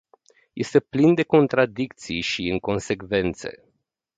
Este plin de contradicții și inconsecvențe.